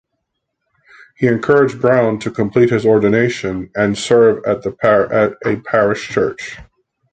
He encouraged Browne to complete his ordination and serve at a parish church.